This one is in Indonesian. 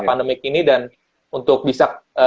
pandemik ini dan untuk bisa